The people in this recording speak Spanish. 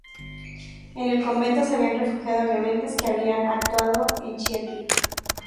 En el convento se habían refugiado rebeldes que habían actuado en Chieti.